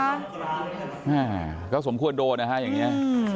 แม่ก็สมควรโดนนะฮะอย่างนี้